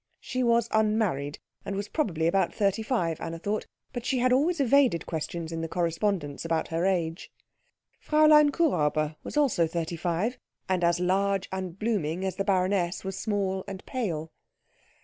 She was unmarried, and was probably about thirty five, Anna thought, but she had always evaded questions in the correspondence about her age. Fräulein Kuhräuber was also thirty five, and as large and blooming as the baroness was small and pale.